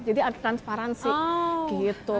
jadi ada transparansi gitu